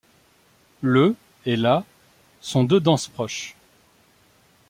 Le ' et la ' sont deux danses proches.